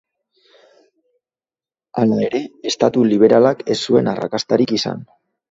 Hala ere, estatu liberalak ez zuen arrakastarik izan.